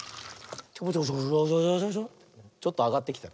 ちょっとあがってきたよ。